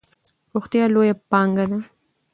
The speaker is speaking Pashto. روغتیا لویه پانګه ده.